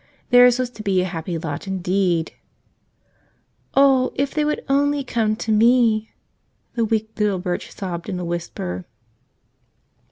Theirs was to be a happy lot indeed! "Oh, if they would only come to me," the weak little Birch sobbed in a whisper.